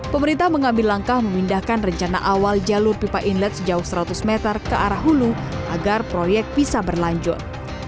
pemerintah mengambil langkah memindahkan rencana awal jalur pipa inlet sejauh seratus meter ke arah hulu agar proyek bisa berlanjut